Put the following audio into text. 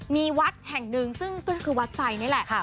มีวัดแห่งหนึ่งซึ่งก็คือวัดไซคนี่แหละ